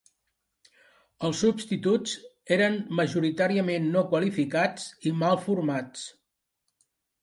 Els substituts eren majoritàriament no qualificats i mal formats.